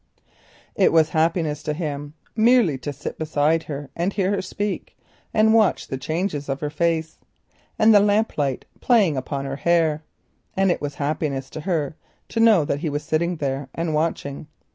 It was happiness for him merely to sit beside her and hear her speak, to watch the changes of her face and the lamplight playing upon her hair, and it was happiness for her to know that he was sitting there and watching.